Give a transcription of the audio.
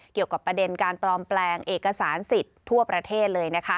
เกี่ยวกับประเด็นการปลอมแปลงเอกสารสิทธิ์ทั่วประเทศเลย